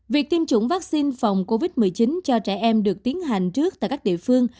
việc tiêm chủng vaccine phòng covid một mươi chín cho trẻ em được tiến hành trước tại các địa phương